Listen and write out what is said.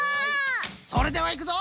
それではいくぞ！